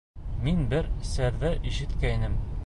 — Мин бер серҙе ишеткәйнем.